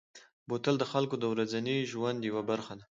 بوتل د خلکو د ورځني ژوند یوه برخه ده.